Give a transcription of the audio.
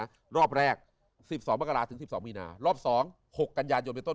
ชัดเนี่ยนะรอบแรก๑๒มกราศถึง๑๒มีนารอบ๒๖กัญญาณโยนในต้น